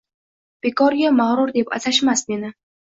Bekorga mag’rur deb atashmas meni!